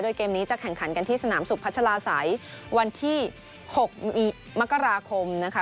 เกมนี้จะแข่งขันกันที่สนามสุพัชลาศัยวันที่๖มกราคมนะคะ